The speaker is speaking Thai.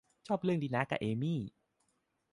ชอบเรื่องรินะกับเอมี่